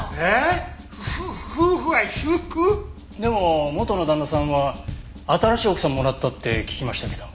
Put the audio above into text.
でも元の旦那さんは新しい奥さんもらったって聞きましたけど。